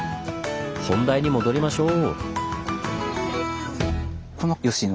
本題に戻りましょう。